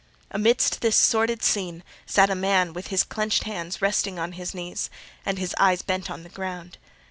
Amidst this sordid scene, sat a man with his clenched hands resting on his knees, and his eyes bent on the ground.